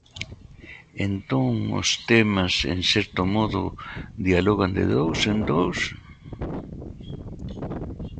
Entón, os temas, en certo modo, dialogan de dous en dous?